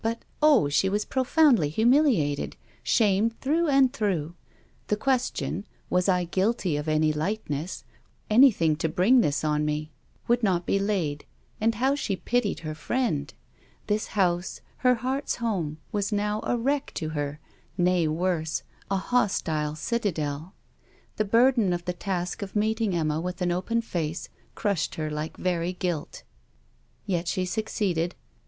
But, Oh! she was profoundly humiliated, shamed through and through. The question, was I guilty of any lightness anything to bring this on me? would not be laid. And how she pitied her friend! This house, her heart's home, was now a wreck to her: nay, worse, a hostile citadel. The burden of the task of meeting Emma with an open face, crushed her like very guilt. Yet she succeeded.